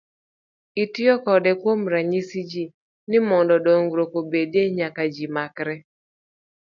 Itiyo kode kuom nyiso ji, ni mondo dongruok obedie, nyaka ji makre.